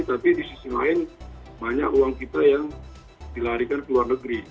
tapi di sisi lain banyak uang kita yang dilarikan ke luar negeri